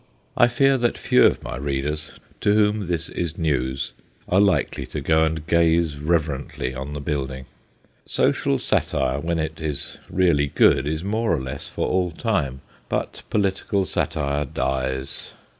I fear that few of my readers, to whom this is news, are likely to go and gaze reverently on the building. Social satire, when it is really good, is more or less for all time, but political satire dies.